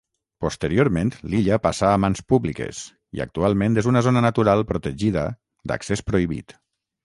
Posteriorment l'illa passà a mans públiques, i actualment és una zona natural protegida d'accés prohibit.